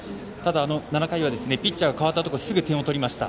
７回はピッチャー代わってすぐ点を取りました。